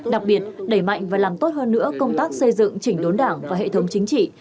đặc biệt đẩy mạnh và làm tốt hơn nữa công tác xây dựng chỉnh đốn đảng và hệ thống chính trị